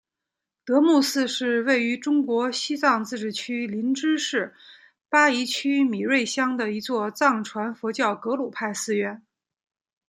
德木寺是位于中国西藏自治区林芝市巴宜区米瑞乡的一座藏传佛教格鲁派寺院。